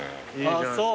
あぁそう。